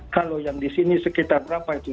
kalau yang di sini sekitar berapa itu